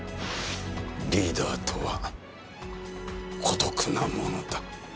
リーダーとは孤独なものだ。